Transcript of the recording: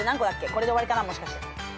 これで終わりかなもしかして。